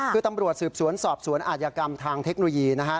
คือตำรวจสูญสอบสวนอัยกรรมทางเทคโนโลยีนะครับ